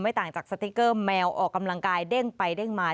ต่างจากสติ๊กเกอร์แมวออกกำลังกายเด้งไปเด้งมา